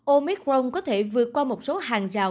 omicron có thể vượt qua một số hàng rào